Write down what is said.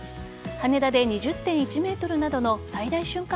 羽田で２０．１メートルなどの最大瞬間